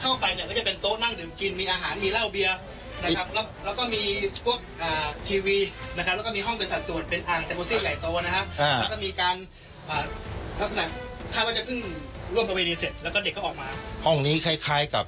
ถ้าว่าจะพึ่งร่วมประเภทนี้เสร็จแล้วก็เด็กเขาออกมาห้องนี้คล้ายคล้ายกับ